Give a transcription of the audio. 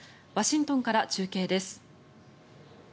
ワシントンから中継です。